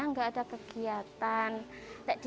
di sini kan ada kegiatan bisa cari uang sendiri